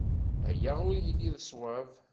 Aya ur yelli d ṣṣwab.